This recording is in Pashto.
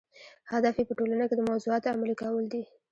هدف یې په ټولنه کې د موضوعاتو عملي کول دي.